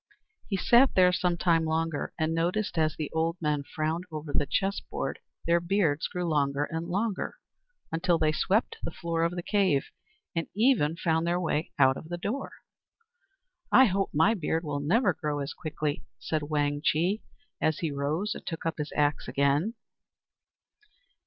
He sat there some time longer, and noticed, as the old men frowned over the chessboard, their beards grew longer and longer, until they swept the floor of the cave, and even found their way out of the door. "I hope my beard will never grow as quickly," said Wang Chih, as he rose and took up his axe again.